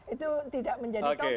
itu tidak menjadi topik